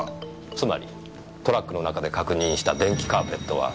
つまりトラックの中で確認した電気カーペットは。